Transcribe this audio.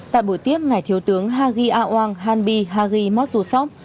tại buổi tiếp ngài thiếu tướng hagi awang hanbi hagi matsusov